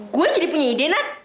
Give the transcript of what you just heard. gue jadi punya ide